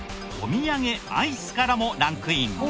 お土産アイスからもランクイン。